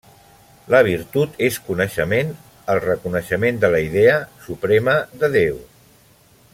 La Virtut és coneixement, el reconeixement de la Idea suprema de Déu.